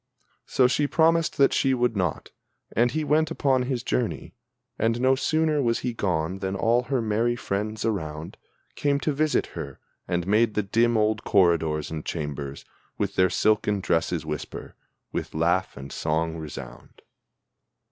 So she promised that she would not, and he went upon his journey. And no sooner was he gone than all her merry friends around Came to visit her, and made the dim old corridors and chambers With their silken dresses whisper, with laugh and song resound.